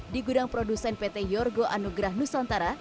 di gudang produsen pt yorgo anugrah nusantara